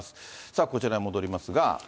さあ、こちらに戻りますが。